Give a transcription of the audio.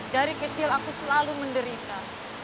dari kecil aku selalu menderita